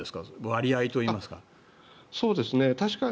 割合といいますか。